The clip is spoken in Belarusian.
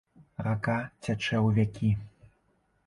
Рака цячэ ў вякі.